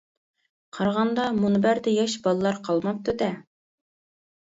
قارىغاندا مۇنبەردە ياش بالىلار قالماپتۇ دە؟ !